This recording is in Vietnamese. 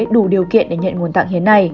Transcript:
đủ điều kiện để nhận nguồn tặng hiến này